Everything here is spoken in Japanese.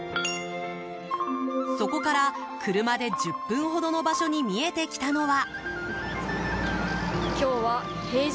そこから車で１０分ほどの場所に見えてきたのは。